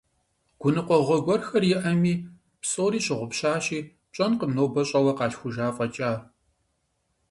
Гуныкъуэгъуэ гуэрхэр иӀэми, псори щыгъупщащи, пщӀэнкъым нобэ щӀэуэ къалъхужауэ фӀэкӀа.